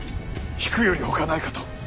引くよりほかないかと。